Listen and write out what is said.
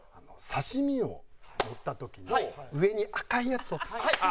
刺身を盛った時に上に赤いやつを。